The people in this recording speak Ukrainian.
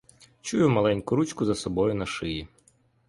Чую маленьку ручку за собою на шиї.